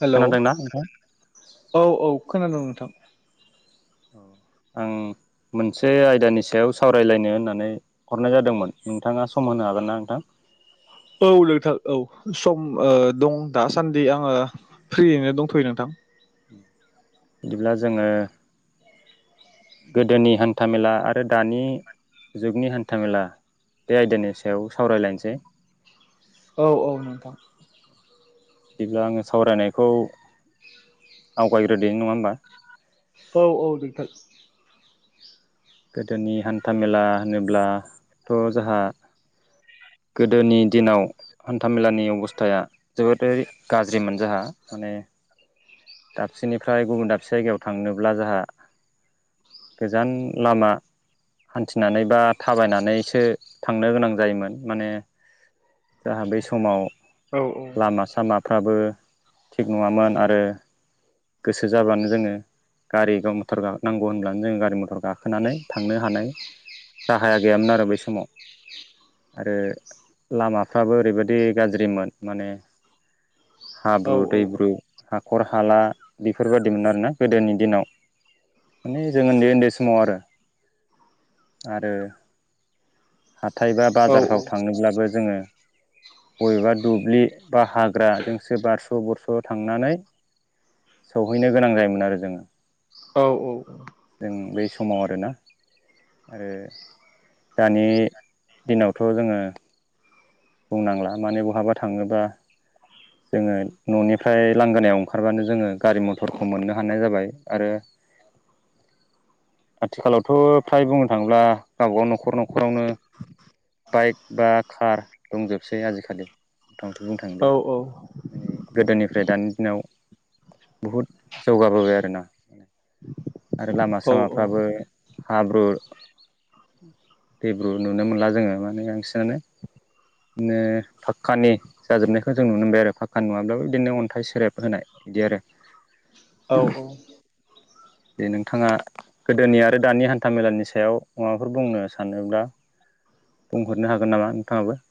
Hello खोनादोंना नोंथां? औ औ खोनादोंं नोंथां औ आं मोनसे आयदानि सायाव सावरायलायनो होननानै हरनाय जादोंमोन नोंथाङा सम होनो हागोन ना नोंथां। [inaudible] औ लोंथां औ सम दं दासान्दि आङो फ्रियैनो दंथ'यो नोंथां। बिदिब्ला जोङो गोदोनि हान्थामेला आरो दानि जुगनि हान्थामेला बे आयदानि सायाव सावरायलायनोसै औ औ नोंथां बिदिब्ला आङो सावरायनायखौ आवगायग्रोदोनि नङा होमबा। औ औ बेंटार [unintelligible] गोदोनि हान्था मेला होनोब्लाथ' जोंहा गोदोनि दिनाव हान्थामेलानि अबस्थाया जोबोरै गाज्रिमोन जोंहा। माने दाबसेनिफ्राय गुबुन दाबसे जायगायाव थांनोब्ला जोंहा गोजान लामा। हान्थिनानै बा थाबायनानैसो थांनो गोनां जायोमोन माने जोंहा बै समाव औ लामा सामाफ्राबो थिग नङामोन आरो। गोसो जाबानो जोङो गारि मथर नांगौ होनब्लानो जोङो गारि मथर गाखोनानै थांनो हानाय। राहाया गैयामोन आरो बै समाव। आरो लामाफ्राबो ओरैबायदि गाज्रिमोन माने औ हाब्रु, दैब्रु, हाखर हाला बेफोरबायदिमोन आरोना गोदोनि दिनाव। माने जों उन्दै उन्दै समाव आरो आरो - हाथाइ बा औ बाजारफ्राव थांनोब्लाबो जोङो बबेबा दुब्लि बा हाग्राजोंसो बारस' बरस' थांनानै। सौहैनो गोनां जायोमोन आरो जोङो। औ औ औ जों बै समाव आरोना। आरो दानि दिनावथ' जोङो बुंनांला माने बहाबा थाङोबा। जोङो न'निफ्राय लांगोनायाव ओंखारबानो जोङो गारि मथरखौ मोननो हानाय जाबाय आरो। [inaudible] आथिखालावथ' फ्राय बुंनो थाङोब्ला गावबाव न'खर न'खरावनो। बाइक बा कार दंजोबसै आजिखालि मुथा मुथि बुंनो थाङोब्ला माने गोदोनिफ्राय दानि दिनाव बहुद जौगाबोबाय आरोना। आरो लामा सामाफ्राबो हाब्रु दैब्रु नुनो मोनला जोङो माने बांसिनानो बिदिनो फाक्कानि जाजोबनायखौ जों नुनो मोनबाय आरो फाक्का नङाब्लाबो बिदिनो अन्थाइ सेरेब होनाय बिदि आरो। दे नोंथाङा गोदोनि आरो दानि हान्था मेलानि सायाव माबाफोर बुंनो सानोब्ला। बुंहरनो हागोन नामा नोंथाङाबो?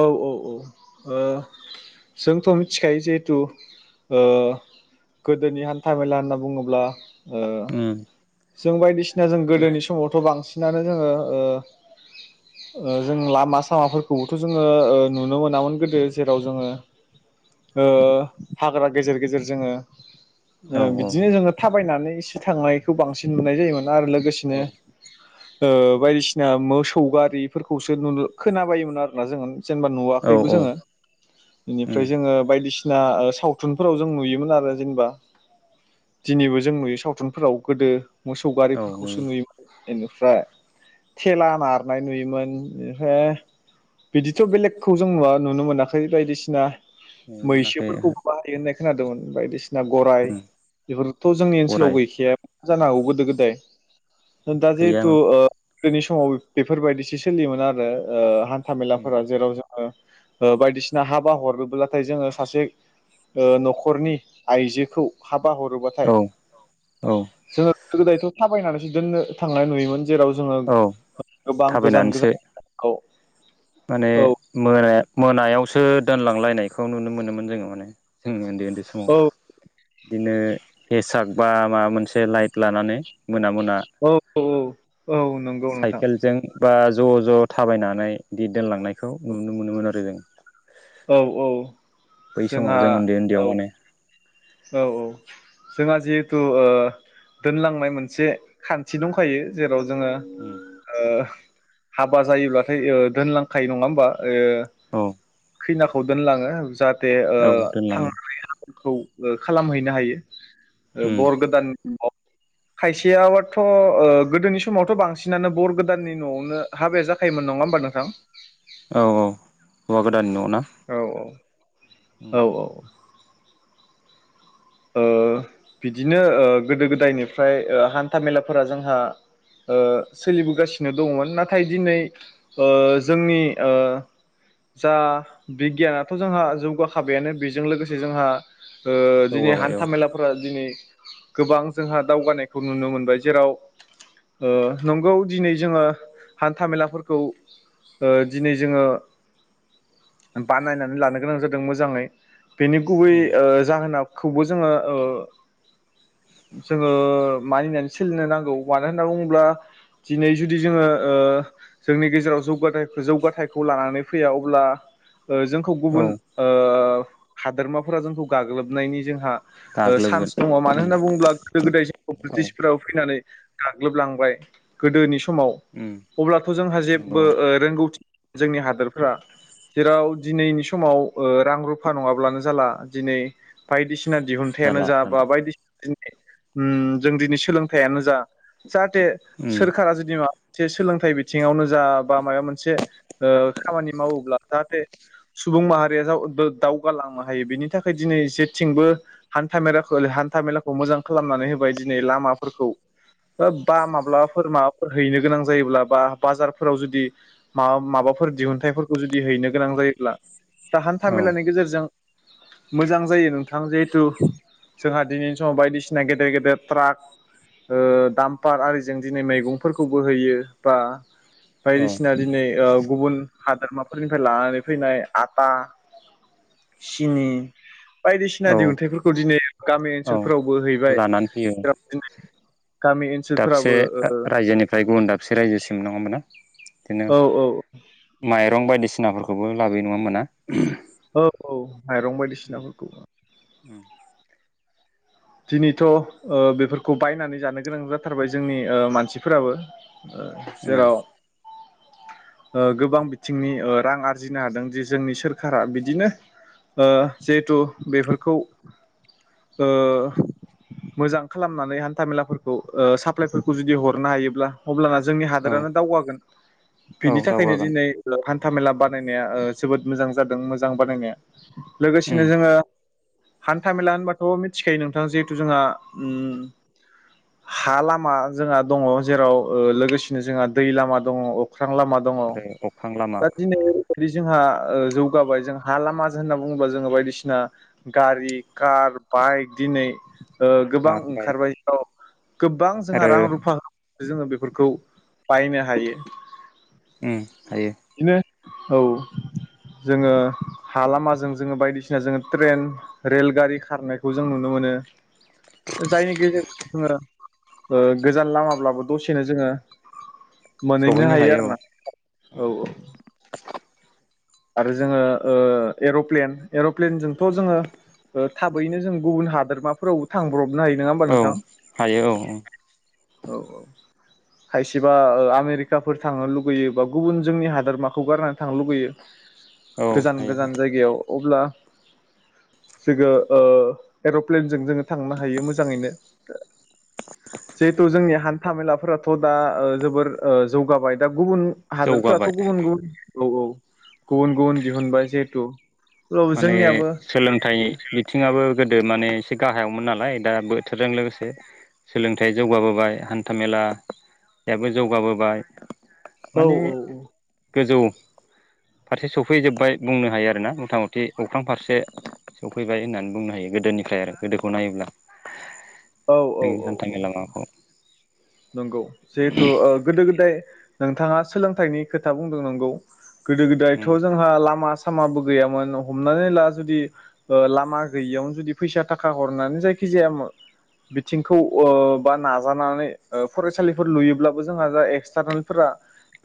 औ औ औ जोंथ' मिथिखायो जिहेथु गोदोनि हान्था मेला होनना बुङोब्ला उम जों बायदिसिना जों गोदोनि समावथ'। बांसिनानो जोङो जों लामा सामाफोरखौबोथ' जोङो नुनो मोनामोन गोदो जेराव जोङो हाग्रा गेजेर गेजेर जोङो। औ बिदिनो जोङो थाबायनानै एसे थांनायखौ बांसिन नुनाय जायोमोन। आरो लोगोसेनो औ बायदिसिना मोसौ गारिफोरखौसो नुनो खोनाबायोमोन आरोना जोंङो। जेनेबा औ नुवाखैबो औ जोङो उम बेनिफ्राय जोङो बायदिसि ना सावथुनफोराव जों नुयोमोन आरो जेनेबा दिनैबो जों नुयो सावथुनफोराव। गोदो मोसौ औ गारिफोरखौसो नुयो नुयोमोन बेनिफ्राय थेला नारनाय नुयोमोन बेनिफ्राय बिदिथ' बेलेगखौ जों नुवा नुनो मोनाखै बायदिसिना। नुनो मोनाखै ओहो मैसोफोरखौबो बाहायो होननाय खोनादोंमोन बायदिसिना।। गराइ उम बेफोरथ' जोंनि गराय ओनसोलाव गैखाया जानो हागौ गोदो गोदाय। दा जिहेथु गैयामोन गोदोनि समाव बेफोरबायदिसो सोलियोमोन आरो। हान्थामेलाफोरा जेराव जोङो बायदिसिना हाबा हरोब्लाथाय जोङो सासे न'खरनि आइजोखौ हा बा हरोबाथाय औ औ जोङो गोदो गोदायथ' थाबायनानैसो दोननो थांनाय नुयोमोन। जेराव जोङो औ गोबां गोजान थाबायनानैसो गोजान खौ माने मोनाय मोनायावसो दोनलांलायनायखौ नुनो मोनोमोन जोङो माने जोंनि, ओन्दै ओन्दै। बे समाव औ इदिनो हेसाग बा माबा मोनसे लाइट लानानै। मोना मोना औ औ औ नंगौ नोंथां साइकेलजों। बा ज' ज' थाबायनानै दि दोनलांनायखौ नुनो मोनोमोन आरो जों। औ औ बै समाव जोंहा जों उन्दै उन्दैयाव औ माने औ औ। जोंहा जिहेथु ओ दोनलांनाय मोनसे खान्थि दंखायो जेराव जोङो ओ हाबा जायोब्लाथाय ओ दोनलांखायो नङा होमबा जों ओ औ खैनाखौ दोनलाङो जाहाथे ओ औ दोनलाङो थांनानै खौ खालामहैनो हायो ओ बर गोदाननि न'वाव [inaudible] खायसेआथ' ओ गोदोनि समावथ' बांसिनानो बर गोदाननि न'वावनो हाबाया जाखायोमोन नङा होमबा नोंथां औ-औ हौवा गोदान औ-औ-औ-औ ओ बिदिनो ओ गोदो गोदायनिफ्राय ओ हान्था मेलाफोरा जोंहा ओ सोलिबोगासिनो दंमोन नाथाय दिनै ओ जोंनि ओ जा बिगियानआथ' जोंहा जौगाखाबायानो बेजों लोगोसे जोंहा ओ दिनै जौगाबाय औ हान्था मेलाफोरा दिनै गोबां जोंहा दावगानायखौ नुनो मोनबाय जेराव ओ नंगौ दिनै जोङो हान्था मेलाफोरखौ ओ दिनै जोङो बानायनानै लानो गोनां जादों मोजाङै बेनि गुबै ओ जाहोनखौबो जोङो [inaudible] जोङो मानिनानै सोलिनो नांगौ मानो होनना बुङोब्ला दिनै जुदि जोङो ओ जोंनि गेजेराव जौगा जौगाथाइखौ लानानै फैया अब्ला ओ जोंखौ औ गुबुन ओ हादोरमाफोरा जोंखौ गाग्लोबनायनि जोंहा ओ गाग्लोबगोन चान्स दङ मानो होनना बुङोब्ला गोदो गोदाय समाव औ ब्रिटिशफोराबो फैनानै गाग्लोबलांबाय गोदोनि सम समाव अब्लाथ' जोंहा नंगौ जेबबो ओ रोंगौथि जोंनि हादोरफोरा जेराव दिनैनि समाव ओ रां रुफा नङाब्लानो जाला दिनै बायदिसिना दिहुनथायानो जाला जा जाला बा बायदिसिना उम जों दिनै सोलोंथायानो जा जाहाथे सोरखारा जुदि मा सोलोंथाइ बिथिङावनो जा बा माबा मोनसे ओ खामानि मावोब्ला जाहाथे सुबुं माहारिया दावगालांनो हायो बिनि थाखाय दिनै एसे थिंबो हान्था मेलाखौ हान्था मेलाखौ मोजां खालामनानै होबाय दिनै लामाफोरखौ बा माब्लाफोर माबाफोर हैनो गोनां जायोब्ला बा बाजारफोराव जुदि माबा माबा माबाफोर दिहुनथाइफोरखौ जुदि हैनो गोनां जायोब्ला दा हान्था औ मेलानि गेजेरजों मोजां जायो नोंथां जिहेथु जोंहा दिनैनि समाव बायदिसिना गेदेर गेदेर ट्राक ओ दाम्फार आरिजों दिनै मैगंफोरखौबो होयो बा औ बायदिसिना दिनै ओ गुबुन हादोरमाफोरनिफ्राय लानानै फैनाय आटा सिनि बाय सिना औ दिहुनथाइफोरखौ दिनै गामि औ ओनसोलफोरावबो हैबाय लानानै फैयो बिदिनो दाबसे रायजोनिफ्राय गुबुन दाबसे रायजोसिम नंगोना इदिनो ओ औ माइरं बायदिसिना फोरखौबो लाबोयो नङा होमबा ना औ-औ माइरं बायदिसिनाफोरखौबो दिनैथ' ओ बेफोरखौ बायनानै जानो गोनां जाथारबाय जोंनि ओ मानसिफोराबो ओ उम जेराव ओ गोबां बिथिंनि ओ रां आरजिनो हादों जे जोंनि सोरखारा बिदिनो ओ जिहेथु बेफोरखौ ओ मोजां खालामनानै हान्था मेलाफोरखौ ओ साप्लायफोरखौ जुदि हरनो हायोब्ला अब्लाना जो जोंनि औ हादोरानो दावगागोन औ बिनि थाखायनो दावगागोन दिनै ओ हान थामेला बानायनाया ओ जोबोद मोजां जादों मोजां बानायनाया उम लोगोसेनो जोङो हान्थामेला होनबाथ' मिथिखायो नोंथां जिहेथु जोंहा उम हा लामा जोंहा दङ जेराव ओ लोगोसेनो जोंहा दै लामा दङ अ' ख्रां लामा दङ आरो अख्रां लामा दा दिनै फोरदि जोंहा ओ जौगाबाय जों हा लामाजों होनना बुङोबा जोङो बायदिसिना गारि कार बाइक दिनै ओ गोबां कार बाइक ओंखारबाय औ। गोबां जोंहा आरो रां रुफा जोङो बेफोरखौ बायनो हायो। उम हायो। बिदिनो औ जोङो हा लामाजों जोङो बायदिसिना जोङो ट्रेन रेलगारि खारनायखौ जों नुनो मोनो जायनि गेजेरजों जोङो ओ गोजान लामाब्लाबो दसेनो जोङो मोनहैनो हायो आरोना औ औ। आरो जोङो ओ एर'प्लेन एर'प्लेनजोंथ' जोङो ओ थाबैनो जों गुबुन हादोरमाफोरावबो थांब्रबनो हायो नोङा होमबा औ नोंथां? हायो औ औ औ औ। खायसेबा ओ आमेरिकाफोर थांनो लुगैयो बा गुबुन जोंनि हादोरमाखौ गारनानै थांनो लुगैयो। औ गोजान हायो गोजान जायगायाव अब्ला जोङो ओ एर'प्लेनजों जोङो थांनो हायो मोजाङैनो [unintelligible] जिहेथु जोंनि हान था मेलाफोराथ' दा ओ जोबोर ओ जौगाबाय दा गुबुन हादोरफ्राथ' जौगाबाय गुबुन गुबुन औ औ गुबुन गुबुन दिहुनबाय जिहेतु। माने सोलोंथाइ बिथिङाबो गोदो माने से गाहायावमोन नालाय दा बोथोरजों लोगोसे सोलोंथाइ जौगाबोबाय हान्थामेला बेबो जौगाबोबाय औ माने औ औ। गोजौ फारसे सफैजोबबाय बुंनो हायो आरोना मथा मथ थि अख्रां फारसे सौफैबाय होननानै बुंनो हायो गोदोनिफ्राय आरो गोदोखौ नायोब्ला। औ औ जोंनि औ हान्था औ मेला माबाखौ नंगौ जिहेथु ओ गोदो गोदाय नोंथाङा सोलोंथाइनि खोथा बुंदों नंगौ गोदो गोदायथ' उम जोंहा लामा सामाबो गैयामोन हमनानै ला जुदि ओ लामा गैयियावनो जुदि फैसा थाखा हरनानै जायखि जाया मो बिथिंखौ ओ बा नाजानानै ओ फरायसालिफोर लुयोब्लाबो जोंहा दा एक्सटारनेलफोरा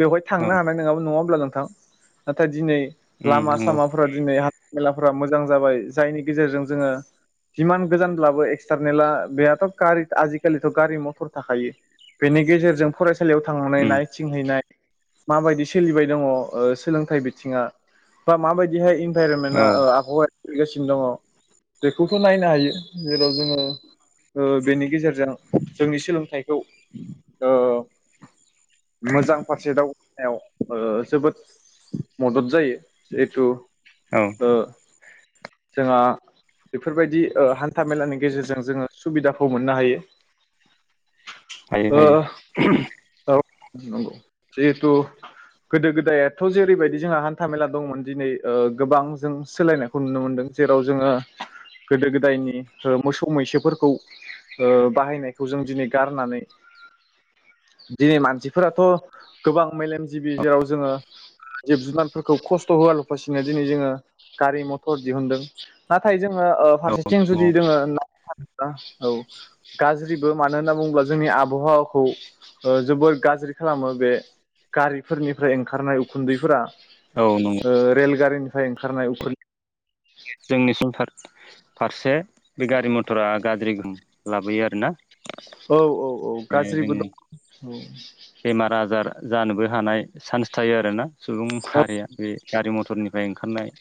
बेवहाय औ थांनो हानाय नोङामोन नङा होमब्ला नोंथां नाथाय दिनै उम लामा नंगौ सामाफोरा दिनै मेलाफोरा मोजां जाबाय जायनि गेजेरजों जोङो जिमान गोजानब्लाबो एक्सटारनेला बेहाथ' कारि आजिखालिथ' गारि मथर थाखायो बेनि गेजेरजों फरायसा सालियाव थांनानै उम नायथिंहैनाय माबायदि सोलिबाय दङ ओ सोलोंथाइ बिथिङा बा माबायदिहाय इन भाइर'मेना औ ओ आबहावा [unintelligible] बेखौथ' नायनो हायो जेराव जोङो ओ बेनि गेजेरजों जोंनि सोलोंथाइखौ ओ मोजां फारसे दावगानायाव ओ जोबोद मदद जायो जिहेथु औ ओ जोंहा बेफोरबायदि ओ हान्था मेलानि गेजेरजों जोङो सुबिदाखौ मोननो हायो। हायो ओ हायो [unintelligible] औ नंगौ जिहेथु गोदो गोदायाथ' जेरैबायदि जोंहा हान्था मेला दंमोन दिनै गोबां जों सोलायनायखौ नुनो मोनदों। जेराव जोंङो गोदो गोदायनि ओ मोसौ मैसोफोर खौ ओ बाहायनायखौ जों दिनै गारनानै दिनै मानसिफोराथ' गोबां मेलेमजिबि जेराव जोंङो जिब जुनारफोरखौ खस्थ' होआलफासिनो दिनै जोङो गारि मथर दिहुनदों नाथाय जोङो औ फारसेथिं नंगौ जुदि जोङो औ गाज्रिबो मानो होनना बुंङोब्ला जोंनि आबहावाखौ ओ जोबोर गाज्रि खालामो बे गारिफोरनिफ्राय ओंखारनाय उखुन्दैफोरा। औ नंगौ रेलगारिनिफ्राय ओंखारनाय उखुन जोंनिसिम फारसे। बे गारि मथरा गाज्रि लाबोयो आरो ना। औ औ औ गाज्रिबो दं औ। बेमार आजार जानोबो हानाय चान्स थायो आरोना सुबुं औ माहारिया बे गारि मथरनि फ्राय ओंखारनाय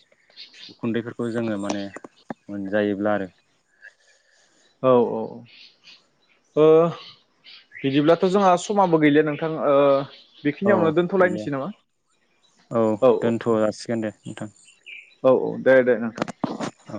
उखुन्दै खौ जोंङो माने मोनजायोब्ला आरो। औ औ। ओ बिदिब्लाथ' जोंहा समाबो गैले नोंथां ओ बेखिनियावनो औ गैलिया दोन्थ'लायनोसै नामा? औ औ दोनथ' जासिगोन दे नोंथां औ औ दे दे नोंथां। औ।